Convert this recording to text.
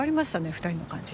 ２人の感じ